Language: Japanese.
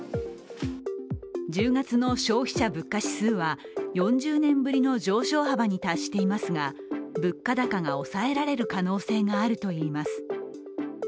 １０月の消費者物価指数は４０年ぶりの上昇幅に達していますが物価高が抑えられる可能性があるといいます。